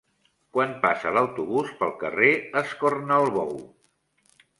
Quan passa l'autobús pel carrer Escornalbou?